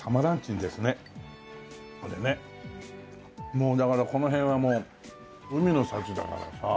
もうだからこの辺はもう海の幸だからさ。